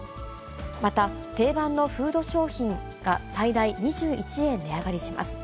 また、定番のフード商品が最大２１円値上がりします。